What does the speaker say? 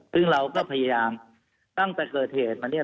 ซึ่งเราก็พยายามตั้งแต่เกิดเหตุมาเนี่ย